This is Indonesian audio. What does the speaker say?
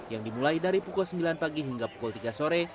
yang dimulai dari pukul sembilan pagi hingga pukul tiga sore